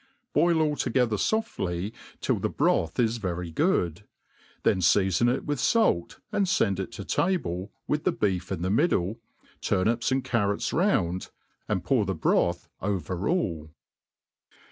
Boil all together foft* ]y, till the broth is very good ; then feafon it with fait, aad fend it to table, with the beef in the middle, turnips and car« rots rounds and pour the broth over all.